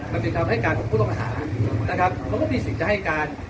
มันเป็นคำให้การของผู้ต้องหานะครับเขาก็มีสิทธิ์จะให้การ